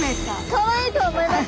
かわいいとは思います。